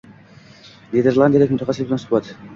– Niderlandiyalik mutaxassis bilan suhbat